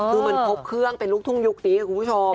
คือมันครบเครื่องเป็นลูกทุ่งยุคนี้คุณผู้ชม